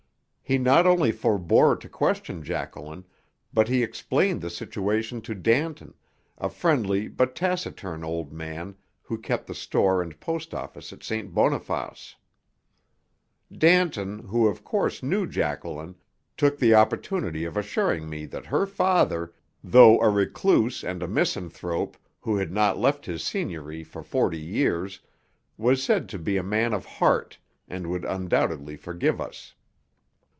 He not only forbore to question Jacqueline, but he explained the situation to Danton, a friendly but taciturn old man who kept the store and post office at St. Boniface. Danton, who of course knew Jacqueline, took the opportunity of assuring me that her father, though a recluse and a misanthrope who had not left his seigniory for forty years, was said to be a man of heart, and would undoubtedly forgive us.